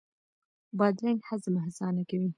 بادرنګ هضم اسانه کوي.